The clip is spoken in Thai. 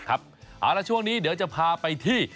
เอาละช่วงนี้เดี๋ยวจะพาไปที่